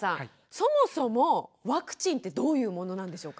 そもそもワクチンってどういうものなんでしょうか？